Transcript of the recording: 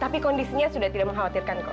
tapi kondisinya sudah tidak mengkhawatirkan kok